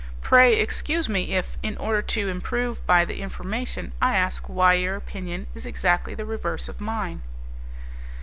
Pray excuse me if, in order to improve by the information, I ask why your opinion is exactly the reverse of mine."